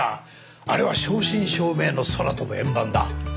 あれは正真正銘の空飛ぶ円盤だ。